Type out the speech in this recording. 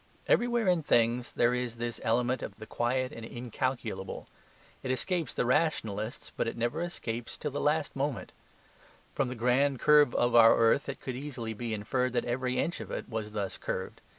Everywhere in things there is this element of the quiet and incalculable. It escapes the rationalists, but it never escapes till the last moment. From the grand curve of our earth it could easily be inferred that every inch of it was thus curved.